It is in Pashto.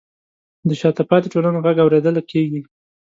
د شاته پاتې ټولنو غږ اورېدل کیږي.